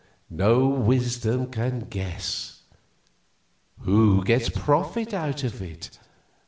No wisdom can guess! Who gets a profit out of it?